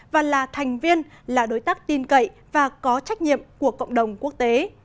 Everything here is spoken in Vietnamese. và là thành viên là đối tác tin cậy và có trách nhiệm của cộng đồng quốc tế